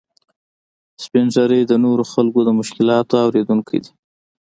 سپین ږیری د نورو خلکو د مشکلاتو اورېدونکي دي